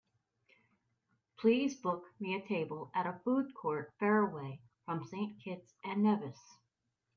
Please book me a table at a food court faraway from Saint Kitts and Nevis.